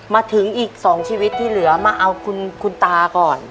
มาถึงอีก๒ชีวิตที่เหลือมาเอาคุณตาก่อน